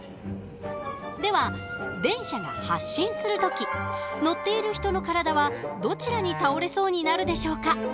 では電車が発進する時乗っている人の体はどちらに倒れそうになるでしょうか？